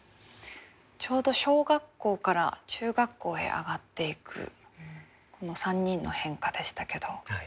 ちょうど小学校から中学校へ上がっていく３人の変化でしたけど。